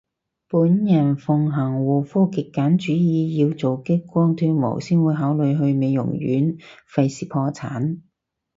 本人奉行護膚極簡主義，要做激光脫毛先會考慮去美容院，廢事破產